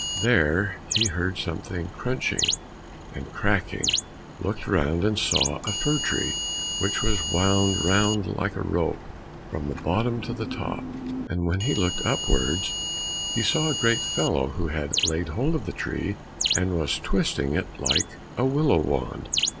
There he heard something crunching and cracking, looked round, and saw a fir tree which was wound round like a rope from the bottom to the top, and when he looked upwards he saw a great fellow who had laid hold of the tree and was twisting it like a willow wand.